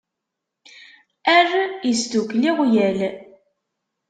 "Err!" isdukkel iɣwyal.